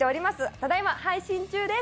ただいま配信中です。